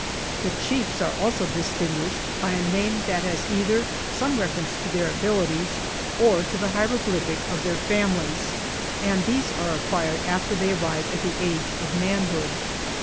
The chiefs are also distinguished by a name that has either some reference to their abilities, or to the hieroglyphic of their families; and these are acquired after they arrive at the age of manhood.